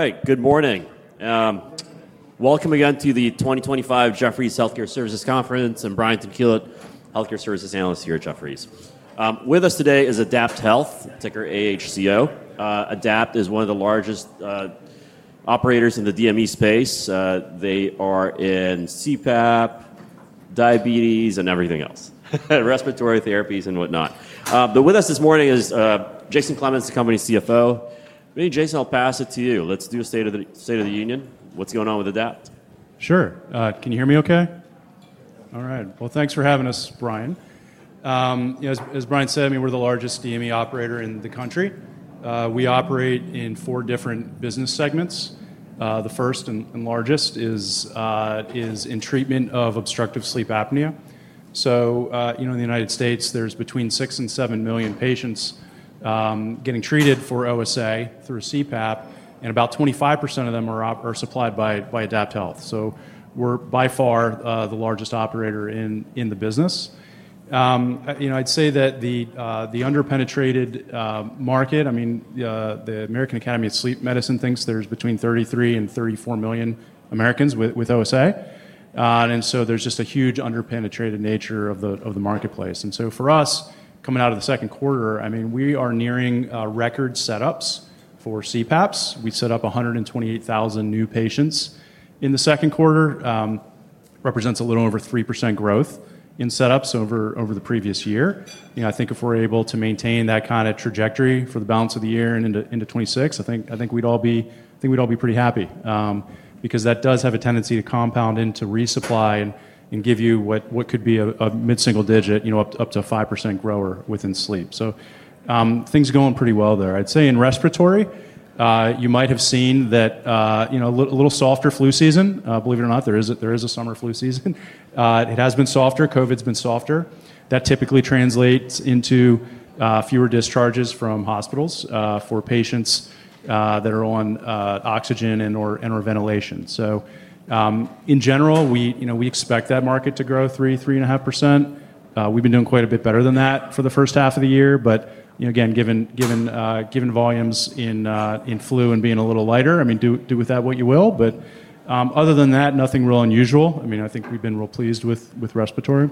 All right, good morning. Welcome again to the 2025 Jefferies Healthcare Services Conference. I'm Brian Gil Tanquilut, Healthcare Services Analyst here at Jefferies. With us today is AdaptHealth, ticker AHCO. AdaptHealth is one of the largest operators in the DME space. They are in CPAP, diabetes, and everything else, respiratory therapies and whatnot. With us this morning is Jason Clemens, the company's CFO. Maybe Jason, I'll pass it to you. Let's do a state of the state of the union. What's going on with AdaptHealth? Sure. Can you hear me okay? All right. Thanks for having us, Brian. You know, as Brian said, I mean, we're the largest DME operator in the country. We operate in four different business segments. The first and largest is in treatment of obstructive sleep apnea. In the United States, there's between 6 and 7 million patients getting treated for OSA through CPAP, and about 25% of them are supplied by AdaptHealth. We're by far the largest operator in the business. The underpenetrated market, I mean, the American Academy of Sleep Medicine thinks there's between 33 and 34 million Americans with OSA, and there's just a huge underpenetrated nature of the marketplace. For us, coming out of the second quarter, we are nearing record setups for CPAPs. We set up 128,000 new patients in the second quarter. That represents a little over 3% growth in setups over the previous year. If we're able to maintain that kind of trajectory for the balance of the year and into 2026, I think we'd all be pretty happy because that does have a tendency to compound into resupply and give you what could be a mid-single digit, up to a 5% grower within sleep. Things are going pretty well there. In respiratory, you might have seen that a little softer flu season. Believe it or not, there is a summer flu season. It has been softer. COVID's been softer. That typically translates into fewer discharges from hospitals for patients that are on oxygen and or ventilation. In general, we expect that market to grow 3 to 3.5%. We've been doing quite a bit better than that for the first half of the year, but again, given volumes in flu and being a little lighter, do with that what you will. Other than that, nothing real unusual. We've been real pleased with respiratory.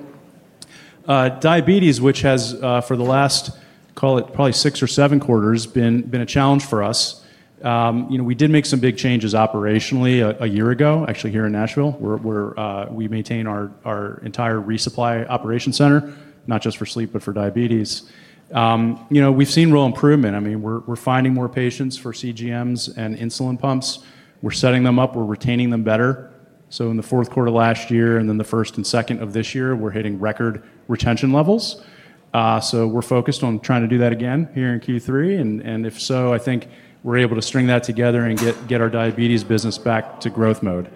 Diabetes, which has for the last, call it probably six or seven quarters, been a challenge for us. We did make some big changes operationally a year ago, actually here in Nashville, where we maintain our entire resupply operation center, not just for sleep, but for diabetes. We've seen real improvement. We're finding more patients for continuous glucose monitors and insulin pumps. We're setting them up. We're retaining them better. In the fourth quarter last year and then the first and second of this year, we're hitting record retention levels. We're focused on trying to do that again here in Q3. If so, I think we're able to string that together and get our diabetes business back to growth mode.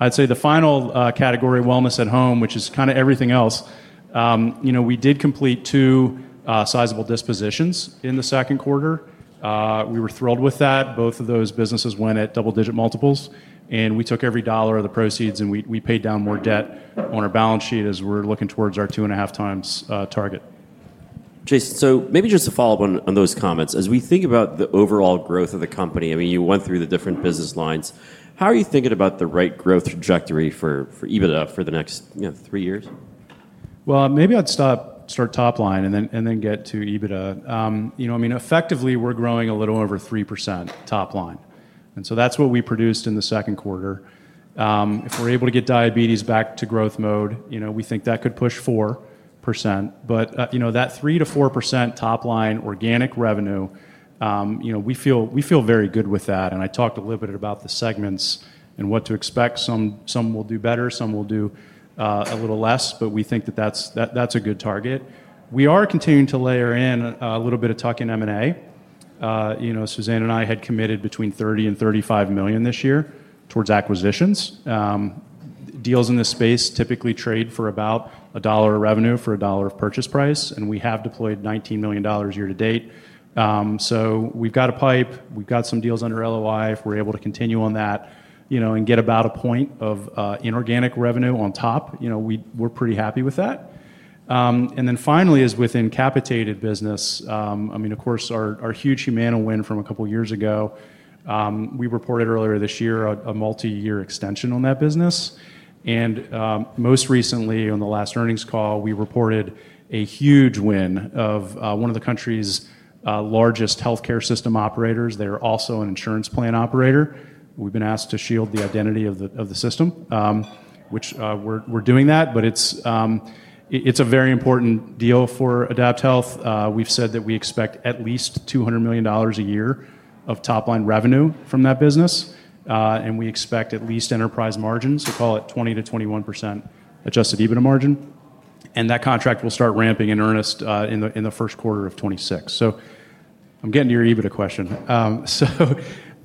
I'd say the final category of wellness at home, which is kind of everything else, we did complete two sizable dispositions in the second quarter. We were thrilled with that. Both of those businesses went at double-digit multiples. We took every dollar of the proceeds and we paid down more debt on our balance sheet as we're looking towards our 2.5 times target. Jason, to follow up on those comments, as we think about the overall growth of the company, you went through the different business lines. How are you thinking about the right growth trajectory for EBITDA for the next three years? Maybe I'd start top line and then get to EBITDA. I mean, effectively we're growing a little over 3% top line, and that's what we produced in the second quarter. If we're able to get diabetes back to growth mode, we think that could push 4%. That 3% to 4% top line organic revenue, we feel very good with that. I talked a little bit about the segments and what to expect. Some will do better, some will do a little less, but we think that's a good target. We are continuing to layer in a little bit of tuck-in M&A. Suzanne and I had committed between $30 million and $35 million this year towards acquisitions. Deals in this space typically trade for about a dollar of revenue for a dollar of purchase price, and we have deployed $19 million year to date. We've got a pipe, we've got some deals under LOI. If we're able to continue on that and get about a point of inorganic revenue on top, we're pretty happy with that. Finally, as with incapitated business, of course, our huge Humana win from a couple of years ago, we reported earlier this year a multi-year extension on that business. Most recently on the last earnings call, we reported a huge win of one of the country's largest healthcare system operators. They're also an insurance plan operator. We've been asked to shield the identity of the system, which we're doing, but it's a very important deal for AdaptHealth. We've said that we expect at least $200 million a year of top line revenue from that business, and we expect at least enterprise margins, so call it 20% to 21% adjusted EBITDA margin. That contract will start ramping in earnest in the first quarter of 2026. I'm getting to your EBITDA question.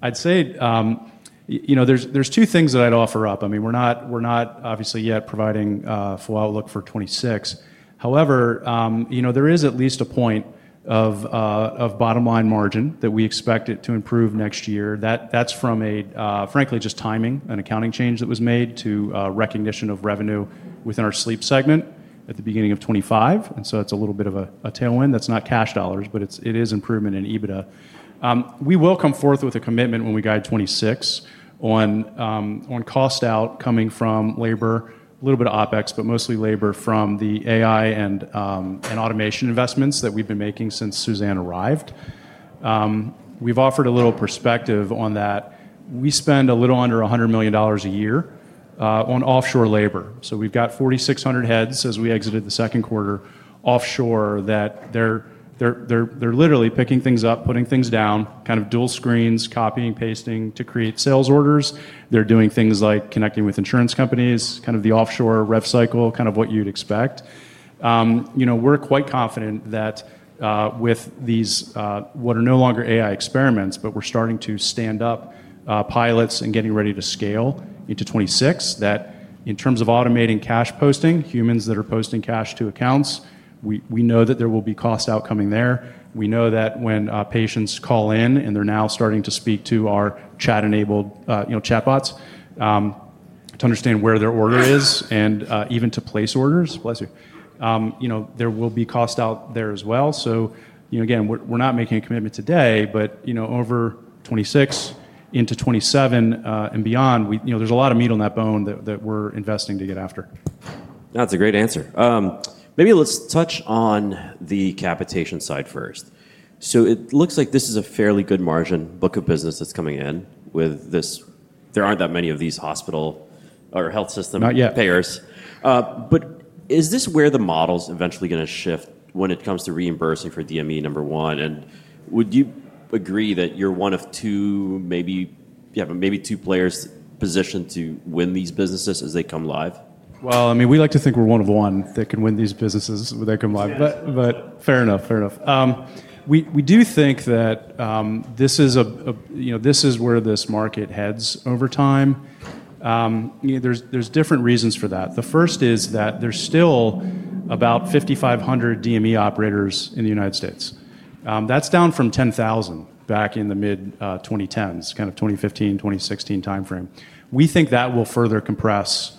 I'd say there are two things that I'd offer up. We're not obviously yet providing full outlook for 2026. However, there is at least a point of bottom line margin that we expect to improve next year. That's from, frankly, just timing, an accounting change that was made to recognition of revenue within our sleep segment at the beginning of 2025. It's a little bit of a tailwind. That's not cash dollars, but it is improvement in EBITDA. We will come forth with a commitment when we guide 2026 on cost out coming from labor, a little bit of OpEx, but mostly labor from the AI and automation investments that we've been making since Suzanne arrived. We've offered a little perspective on that. We spend a little under $100 million a year on offshore labor. We've got 4,600 heads as we exited the second quarter offshore. They're literally picking things up, putting things down, kind of dual screens, copying, pasting to create sales orders. They're doing things like connecting with insurance companies, kind of the offshore rev cycle, kind of what you'd expect. We're quite confident that with these, what are no longer AI experiments, but we're starting to stand up pilots and getting ready to scale into 2026, that in terms of automating cash posting, humans that are posting cash to accounts, we know that there will be costs out coming there. We know that when patients call in and they're now starting to speak to our chat-enabled chatbots to understand where their order is and even to place orders, bless you, there will be costs out there as well. Again, we're not making a commitment today, but over 2026, into 2027, and beyond, there's a lot of meat on that bone that we're investing to get after. That's a great answer. Maybe let's touch on the capitation side first. It looks like this is a fairly good margin book of business that's coming in with this. There aren't that many of these hospital or health system payers. Is this where the model's eventually going to shift when it comes to reimbursing for DME, number one? Would you agree that you're one of two, maybe, you have maybe two players positioned to win these businesses as they come live? I mean, we like to think we're one of one that can win these businesses when they come live, but fair enough, fair enough. We do think that this is a, you know, this is where this market heads over time. You know, there's different reasons for that. The first is that there's still about 5,500 DME operators in the United States. That's down from 10,000 back in the mid-2010s, kind of 2015, 2016 timeframe. We think that will further compress,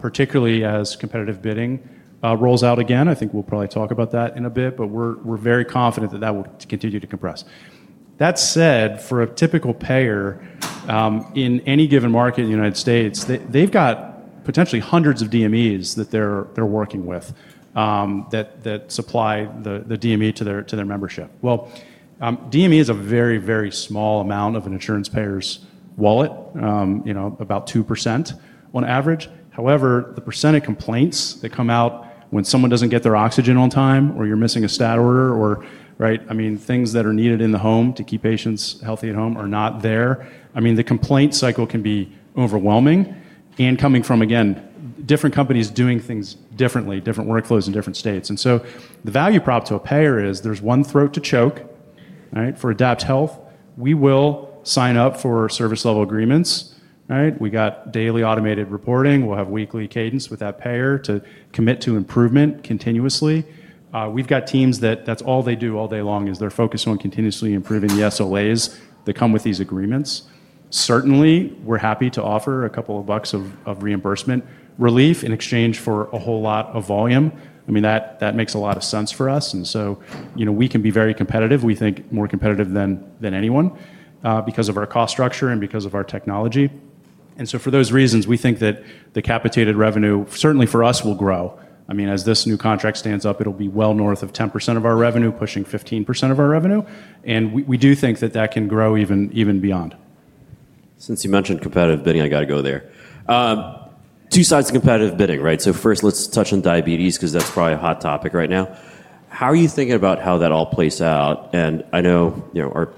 particularly as competitive bidding rolls out again. I think we'll probably talk about that in a bit, but we're very confident that that will continue to compress. That said, for a typical payer in any given market in the United States, they've got potentially hundreds of DMEs that they're working with, that supply the DME to their membership. DME is a very, very small amount of an insurance payer's wallet, you know, about 2% on average. However, the % of complaints that come out when someone doesn't get their oxygen on time, or you're missing a stat order, or, right, I mean, things that are needed in the home to keep patients healthy at home are not there. The complaint cycle can be overwhelming and coming from, again, different companies doing things differently, different workflows in different states. The value prop to a payer is there's one throat to choke, right? For AdaptHealth, we will sign up for service level agreements, right? We got daily automated reporting. We'll have weekly cadence with that payer to commit to improvement continuously. We've got teams that, that's all they do all day long is they're focused on continuously improving the SLAs that come with these agreements. Certainly, we're happy to offer a couple of bucks of reimbursement relief in exchange for a whole lot of volume. I mean, that makes a lot of sense for us. We can be very competitive. We think more competitive than anyone, because of our cost structure and because of our technology. For those reasons, we think that the capitated revenue certainly for us will grow. I mean, as this new contract stands up, it'll be well north of 10% of our revenue, pushing 15% of our revenue. We do think that that can grow even beyond. Since you mentioned competitive bidding, I got to go there. Two sides of competitive bidding, right? First, let's touch on diabetes because that's probably a hot topic right now. How are you thinking about how that all plays out? I know our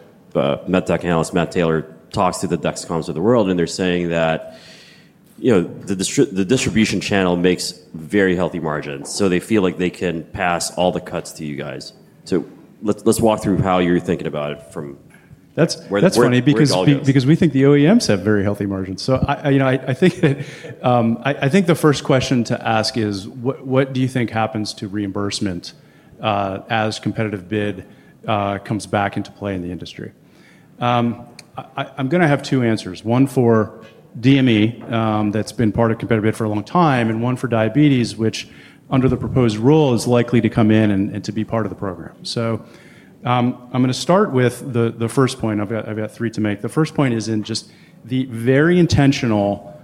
Med Tech Analyst, Matt Taylor, talks to the Dexcoms of the world, and they're saying that the distribution channel makes very healthy margins. They feel like they can pass all the cuts to you guys. Let's walk through how you're thinking about it from where that's going to be. Because we think the OEMs have very healthy margins. I think the first question to ask is what do you think happens to reimbursement, as competitive bidding comes back into play in the industry? I'm going to have two answers. One for DME that's been part of competitive bidding for a long time, and one for diabetes, which under the proposed rule is likely to come in and be part of the program. I'm going to start with the first point. I've got three to make. The first point is in just the very intentional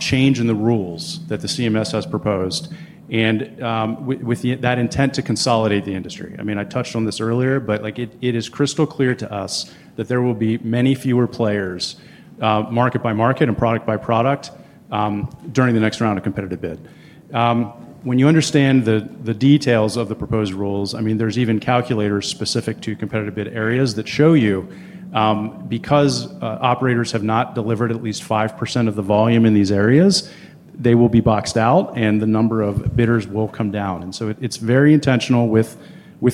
change in the rules that CMS has proposed, with that intent to consolidate the industry. I mean, I touched on this earlier, but it is crystal clear to us that there will be many fewer players, market by market and product by product, during the next round of competitive bidding. When you understand the details of the proposed rules, there's even calculators specific to competitive bidding areas that show you, because operators have not delivered at least 5% of the volume in these areas, they will be boxed out and the number of bidders will come down. It's very intentional with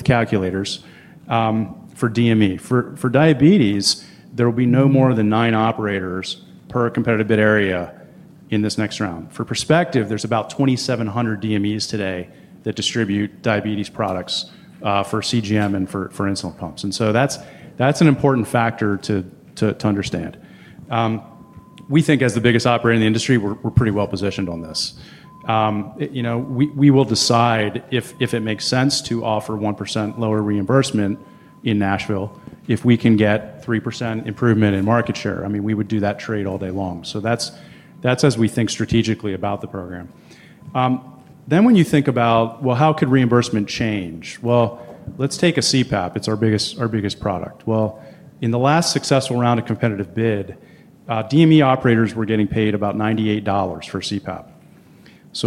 calculators. For DME, for diabetes, there will be no more than nine operators per competitive bidding area in this next round. For perspective, there's about 2,700 DMEs today that distribute diabetes products, for continuous glucose monitors and for insulin pumps. That's an important factor to understand. We think as the biggest operator in the industry, we're pretty well positioned on this. We will decide if it makes sense to offer 1% lower reimbursement in Nashville. If we can get 3% improvement in market share, we would do that trade all day long. That's as we think strategically about the program. When you think about how reimbursement could change, take CPAP. It's our biggest product. In the last successful round of competitive bidding, DME operators were getting paid about $98 for CPAP.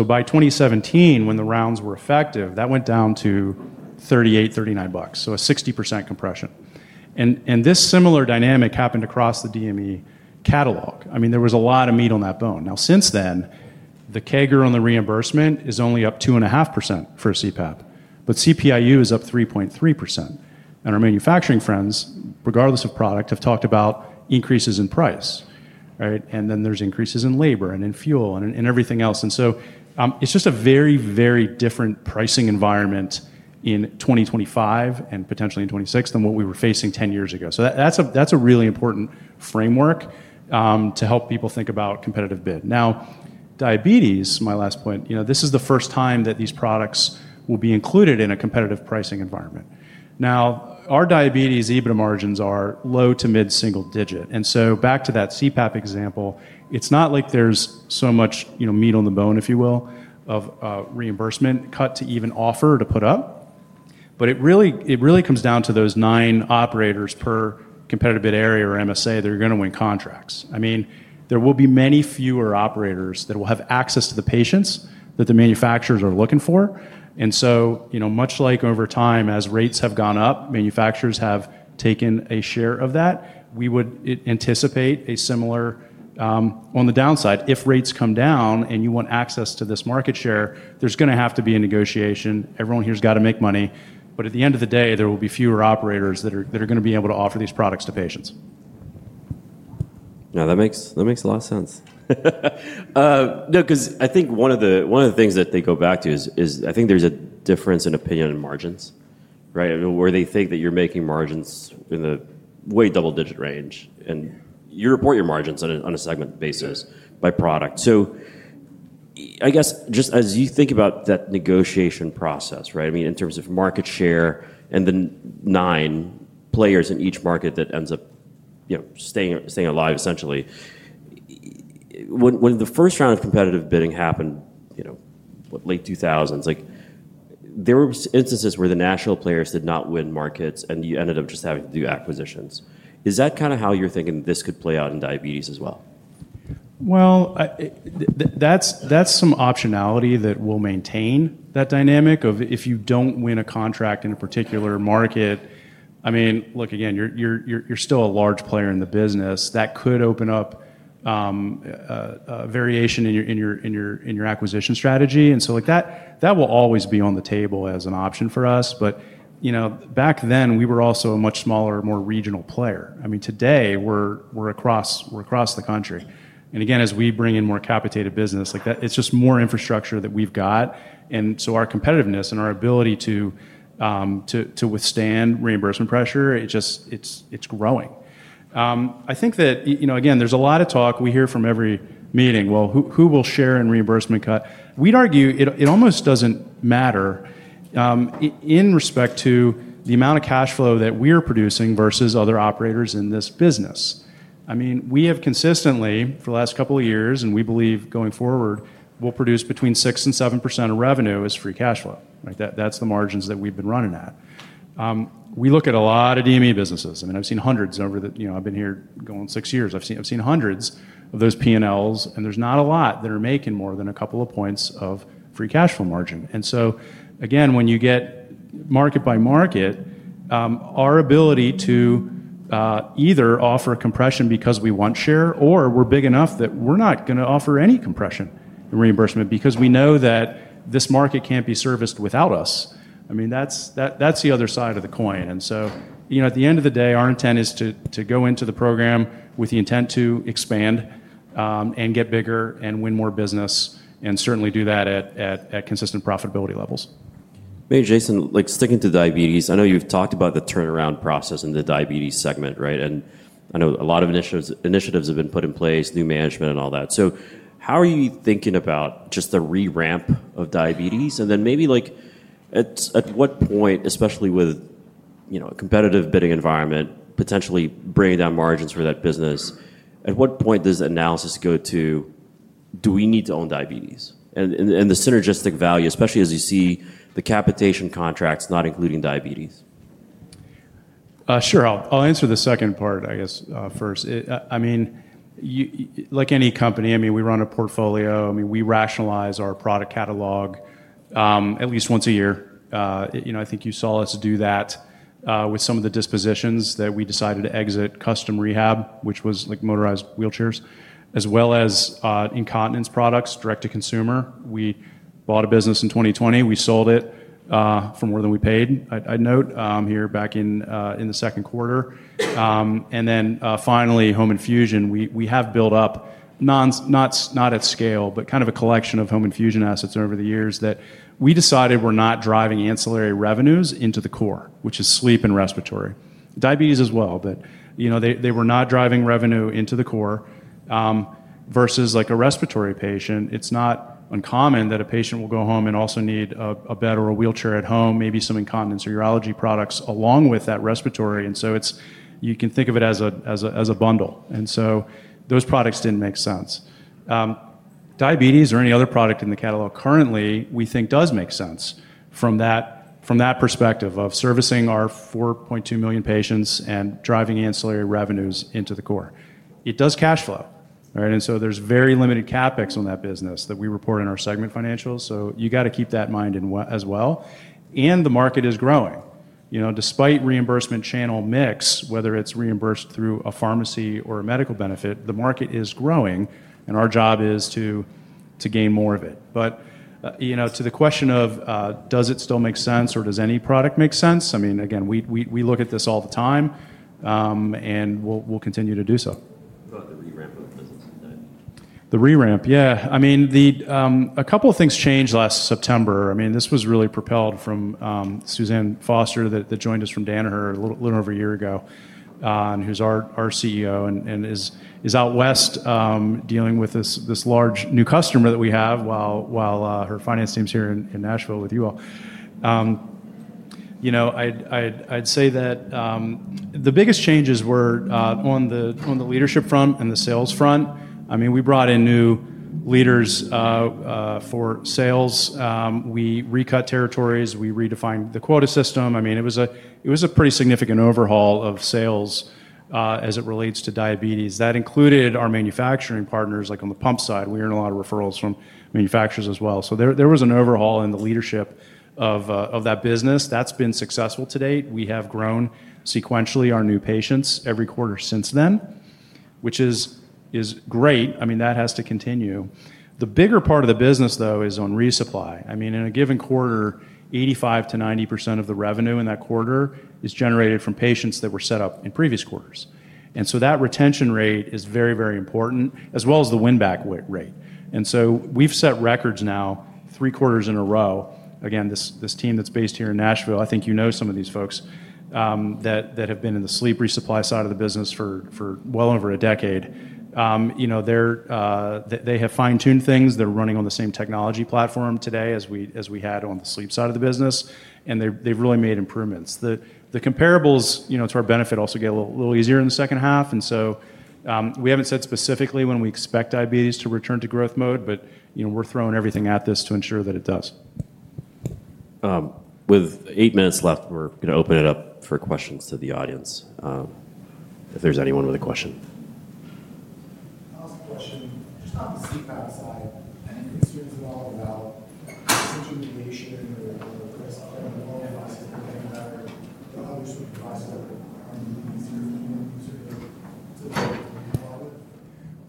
By 2017, when the rounds were effective, that went down to $38, $39. A 60% compression. This similar dynamic happened across the DME catalog. There was a lot of meat on that bone. Since then, the CAGR on the reimbursement is only up 2.5% for CPAP, but CPIU is up 3.3%. Our manufacturing friends, regardless of product, have talked about increases in price, right? There are increases in labor and in fuel and in everything else. It is just a very, very different pricing environment in 2025 and potentially in 2026 than what we were facing 10 years ago. That is a really important framework to help people think about competitive bidding. Now, diabetes, my last point, this is the first time that these products will be included in a competitive pricing environment. Our diabetes EBITDA margins are low to mid-single digit. Back to that CPAP example, it is not like there is so much, you know, meat on the bone, if you will, of reimbursement cut to even offer to put up. It really comes down to those nine operators per competitive bid area or MSA that are going to win contracts. There will be many fewer operators that will have access to the patients that the manufacturers are looking for. Much like over time, as rates have gone up, manufacturers have taken a share of that. We would anticipate a similar, on the downside, if rates come down and you want access to this market share, there is going to have to be a negotiation. Everyone here has got to make money. At the end of the day, there will be fewer operators that are going to be able to offer these products to patients. No, that makes a lot of sense. No, because I think one of the things that they go back to is, I think there's a difference in opinion in margins, right? I mean, where they think that you're making margins in the double digit range and you report your margins on a segment basis by product. So I guess just as you think about that negotiation process, in terms of market share and the nine players in each market that end up staying alive, essentially, when the first round of competitive bidding happened, you know, late 2000s, there were instances where the national players did not win markets and you ended up just having to do acquisitions. Is that kind of how you're thinking this could play out in diabetes as well? That's some optionality that will maintain that dynamic of if you don't win a contract in a particular market. I mean, look, again, you're still a large player in the business that could open up a variation in your acquisition strategy. That will always be on the table as an option for us. Back then we were also a much smaller, more regional player. Today we're across the country. As we bring in more capitated business, it's just more infrastructure that we've got. Our competitiveness and our ability to withstand reimbursement pressure, it's growing. I think that, you know, again, there's a lot of talk we hear from every meeting. Who will share in reimbursement cut? We'd argue it almost doesn't matter in respect to the amount of cash flow that we're producing versus other operators in this business. We have consistently, for the last couple of years, and we believe going forward, we'll produce between 6% and 7% of revenue as free cash flow, right? That's the margins that we've been running at. We look at a lot of DME businesses. I've seen hundreds over the, you know, I've been here going six years. I've seen hundreds of those P&Ls, and there's not a lot that are making more than a couple of points of free cash flow margin. When you get market by market, our ability to either offer a compression because we want share or we're big enough that we're not going to offer any compression in reimbursement because we know that this market can't be serviced without us, that's the other side of the coin. At the end of the day, our intent is to go into the program with the intent to expand, get bigger and win more business and certainly do that at consistent profitability levels. Hey Jason, sticking to diabetes, I know you've talked about the turnaround process in the diabetes segment, right? I know a lot of initiatives have been put in place, new management and all that. How are you thinking about just the re-ramp of diabetes? At what point, especially with a competitive bidding environment potentially bringing down margins for that business, at what point does analysis go to, do we need to own diabetes, and the synergistic value, especially as you see the capitated contracts not including diabetes? Sure. I'll answer the second part, I guess, first. I mean, you, like any company, we run a portfolio. We rationalize our product catalog at least once a year. I think you saw us do that with some of the dispositions where we decided to exit custom rehab, which was like motorized wheelchairs, as well as incontinence products direct to consumer. We bought a business in 2020. We sold it for more than we paid. I note here back in the second quarter. Finally, home infusion. We have built up, not at scale, but kind of a collection of home infusion assets over the years that we decided were not driving ancillary revenues into the core, which is sleep and respiratory. Diabetes as well, but they were not driving revenue into the core. Versus a respiratory patient, it's not uncommon that a patient will go home and also need a bed or a wheelchair at home, maybe some incontinence or urological products along with that respiratory. You can think of it as a bundle. Those products didn't make sense. Diabetes or any other product in the catalog currently we think does make sense from that perspective of servicing our 4.2 million patients and driving ancillary revenues into the core. It does cash flow, right? There's very limited CapEx on that business that we report in our segment financials. You have to keep that in mind as well. The market is growing. Despite reimbursement channel mix, whether it's reimbursed through a pharmacy or a medical benefit, the market is growing. Our job is to gain more of it. To the question of does it still make sense or does any product make sense, again, we look at this all the time and we'll continue to do so. The re-ramp of the business. The re-ramp. Yeah. I mean, a couple of things changed last September. This was really propelled from Suzanne Foster that joined us from Danaher a little over a year ago, and who's our CEO and is out west, dealing with this large new customer that we have while her finance team's here in Nashville with you all. I'd say that the biggest changes were on the leadership front and the sales front. We brought in new leaders for sales. We recut territories, we redefined the quota system. It was a pretty significant overhaul of sales as it relates to diabetes. That included our manufacturing partners, like on the pump side, we earned a lot of referrals from manufacturers as well. There was an overhaul in the leadership of that business. That's been successful to date. We have grown sequentially our new patients every quarter since then, which is great. That has to continue. The bigger part of the business though is on resupply. In a given quarter, 85% to 90% of the revenue in that quarter is generated from patients that were set up in previous quarters. That retention rate is very, very important, as well as the win-back rate. We've set records now three quarters in a row. Again, this team that's based here in Nashville, I think you know some of these folks that have been in the sleep resupply side of the business for well over a decade. They have fine-tuned things. They're running on the same technology platform today as we had on the sleep side of the business. They've really made improvements. The comparables, to our benefit, also get a little easier in the second half. We haven't said specifically when we expect diabetes to return to growth mode, but we're throwing everything at this to ensure that it does. With eight minutes left, we're going to open it up for questions to the audience. If there's anyone with a question. I was wondering if you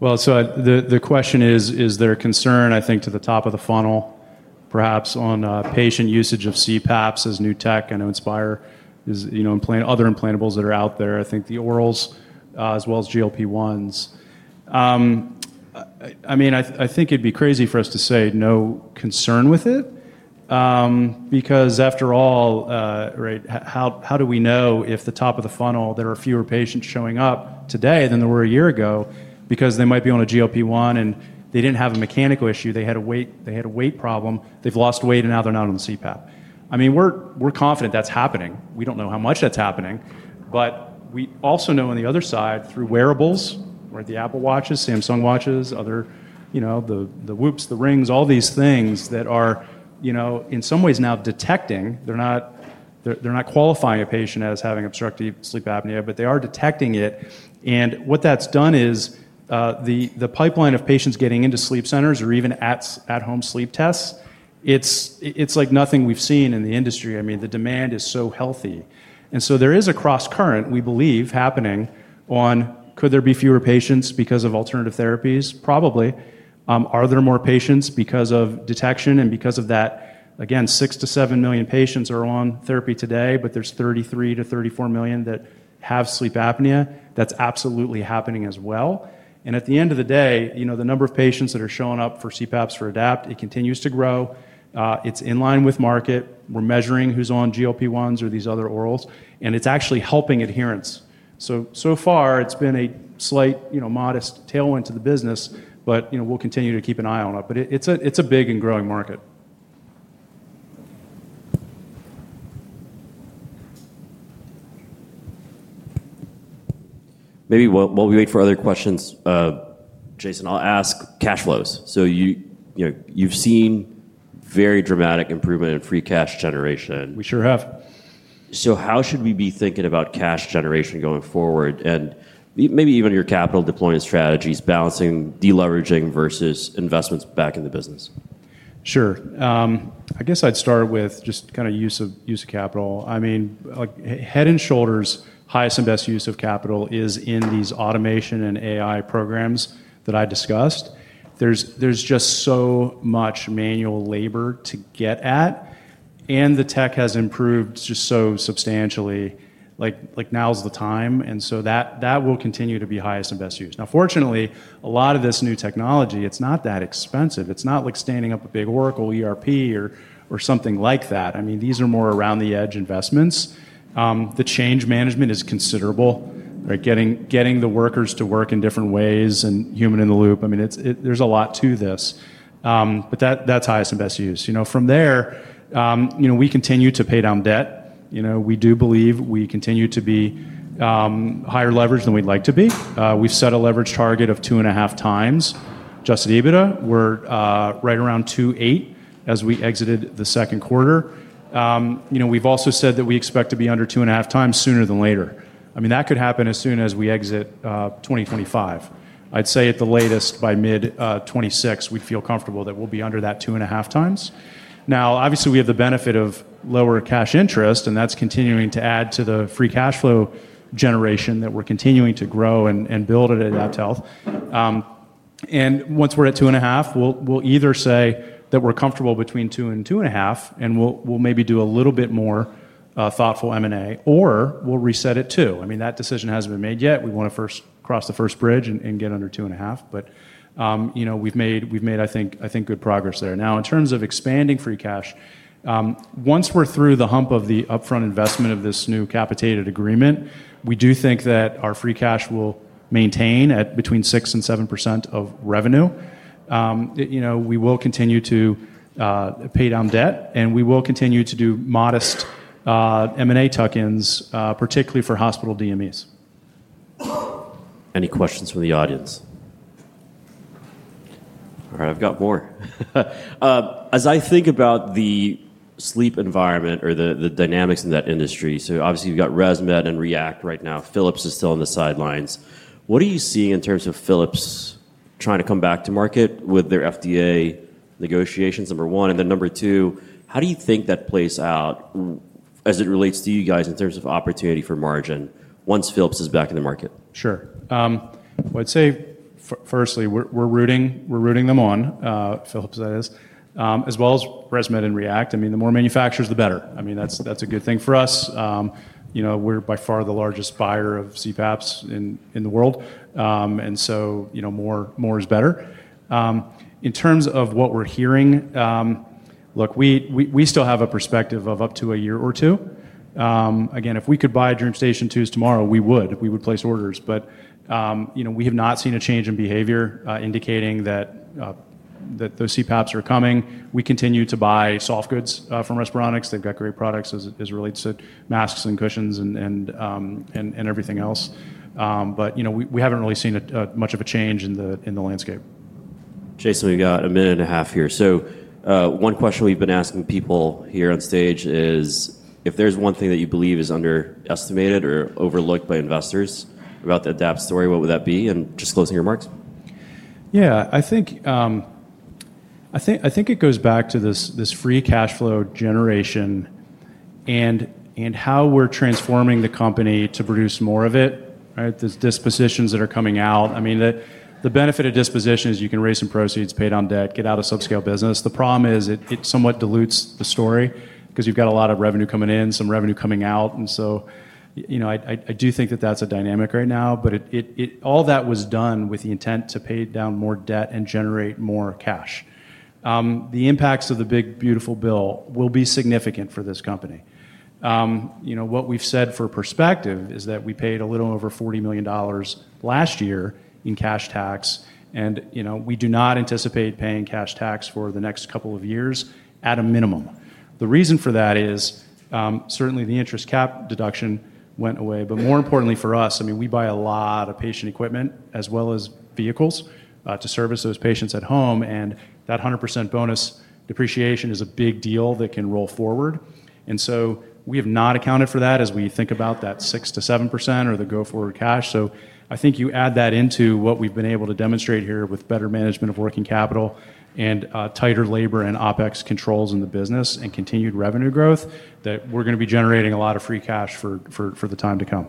could speak to any concerns at all about potential innovation in the press play on the world of hospitals and what all this would cost. The question is, is there a concern, I think, to the top of the funnel, perhaps on patient usage of CPAPs as new tech, I know Inspire is, you know, other implantables that are out there. I think the orals, as well as GLP-1s. I mean, I think it'd be crazy for us to say no concern with it, because after all, right, how do we know if the top of the funnel there are fewer patients showing up today than there were a year ago because they might be on a GLP-1 and they didn't have a mechanical issue. They had a weight, they had a weight problem, they've lost weight and now they're not on CPAP. I mean, we're confident that's happening. We don't know how much that's happening, but we also know on the other side, through wearables, right, the Apple watches, Samsung watches, other, you know, the Whoops, the rings, all these things that are, you know, in some ways now detecting, they're not, they're not qualifying a patient as having obstructive sleep apnea, but they are detecting it. What that's done is, the pipeline of patients getting into sleep centers or even at home sleep tests, it's like nothing we've seen in the industry. The demand is so healthy. There is a cross current, we believe, happening on, could there be fewer patients because of alternative therapies? Probably. Are there more patients because of detection and because of that? Again, six to seven million patients are on therapy today, but there's 33 to 34 million that have sleep apnea. That's absolutely happening as well. At the end of the day, the number of patients that are showing up for CPAPs for AdaptHealth, it continues to grow. It's in line with market. We're measuring who's on GLP-1s or these other orals, and it's actually helping adherence. So far it's been a slight, modest tailwind to the business, but we'll continue to keep an eye on it, but it's a big and growing market. Maybe while we wait for other questions, Jason, I'll ask cash flows. You know, you've seen very dramatic improvement in free cash generation. We sure have. How should we be thinking about cash generation going forward and maybe even your capital deployment strategies, balancing deleveraging versus investments back in the business? Sure. I guess I'd start with just kind of use of, use of capital. I mean, like head and shoulders, highest and best use of capital is in these automation and AI programs that I discussed. There's just so much manual labor to get at, and the tech has improved just so substantially. Like, now's the time. That will continue to be highest and best use. Now, fortunately, a lot of this new technology, it's not that expensive. It's not like standing up a big Oracle ERP or something like that. I mean, these are more around the edge investments. The change management is considerable, right? Getting the workers to work in different ways and human in the loop. I mean, there's a lot to this. That's highest and best use. You know, from there, we continue to pay down debt. We do believe we continue to be higher leverage than we'd like to be. We've set a leverage target of 2.5 times just at EBITDA. We're right around 2.8 as we exited the second quarter. We've also said that we expect to be under 2.5 times sooner than later. I mean, that could happen as soon as we exit 2025. I'd say at the latest, by mid-2026, we'd feel comfortable that we'll be under that 2.5 times. Now, obviously, we have the benefit of lower cash interest, and that's continuing to add to the free cash flow generation that we're continuing to grow and build at AdaptHealth. Once we're at 2.5, we'll either say that we're comfortable between 2 and 2.5, and we'll maybe do a little bit more thoughtful M&A, or we'll reset it too. That decision hasn't been made yet. We want to first cross the first bridge and get under 2.5. We've made, I think, good progress there. In terms of expanding free cash, once we're through the hump of the upfront investment of this new capitated agreement, we do think that our free cash will maintain at between 6% and 7% of revenue. We will continue to pay down debt, and we will continue to do modest M&A tuck-ins, particularly for hospital DMEs. Any questions from the audience? All right, I've got more. As I think about the sleep environment or the dynamics in that industry, obviously you've got ResMed and React right now. Philips is still on the sidelines. What are you seeing in terms of Philips trying to come back to market with their FDA negotiations, number one, and then number two, how do you think that plays out as it relates to you guys in terms of opportunity for margin once Philips is back in the market? Sure. I'd say firstly, we're rooting them on, Philips, that is, as well as ResMed and React. The more manufacturers, the better. That's a good thing for us. You know, we're by far the largest buyer of CPAPs in the world, and so more is better. In terms of what we're hearing, look, we still have a perspective of up to a year or two. Again, if we could buy DreamStation 2s tomorrow, we would place orders. However, we have not seen a change in behavior indicating that those CPAPs are coming. We continue to buy soft goods from Respironics. They've got great products as it relates to masks and cushions and everything else. However, we haven't really seen much of a change in the landscape. Jason, we've got a minute and a half here. One question we've been asking people here on stage is if there's one thing that you believe is underestimated or overlooked by investors about the AdaptHealth story, what would that be? Just closing your remarks. Yeah, I think it goes back to this free cash flow generation and how we're transforming the company to produce more of it, right? There's dispositions that are coming out. I mean, the benefit of disposition is you can raise some proceeds, pay down debt, get out of subscale business. The problem is it somewhat dilutes the story because you've got a lot of revenue coming in, some revenue coming out. I do think that that's a dynamic right now, but all that was done with the intent to pay down more debt and generate more cash. The impacts of the big beautiful bill will be significant for this company. You know, what we've said for perspective is that we paid a little over $40 million last year in cash tax, and we do not anticipate paying cash tax for the next couple of years at a minimum. The reason for that is, certainly the interest cap deduction went away, but more importantly for us, I mean, we buy a lot of patient equipment as well as vehicles to service those patients at home. That 100% bonus depreciation is a big deal that can roll forward. We have not accounted for that as we think about that 6% to 7% or the go forward cash. I think you add that into what we've been able to demonstrate here with better management of working capital and tighter labor and OpEx controls in the business and continued revenue growth that we're going to be generating a lot of free cash for the time to come.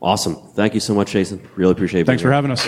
Awesome. Thank you so much, Jason. Really appreciate it. Thanks, Robert.